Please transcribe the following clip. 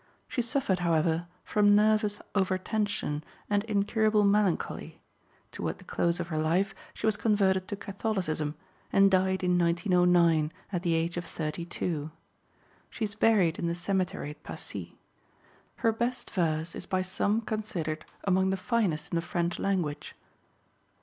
She suffered, however, from nervous overtension and incurable melancholy. Toward the close of her life she was converted to Catholicism and died in 1909, at the age of 32. She is buried in the cemetery at Passy. Her best verse is by some considered among the finest in the French language.